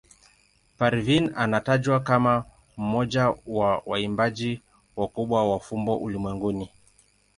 Parveen anatajwa kama mmoja wa waimbaji wakubwa wa fumbo ulimwenguni.